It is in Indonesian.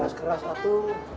jangan keras keras satu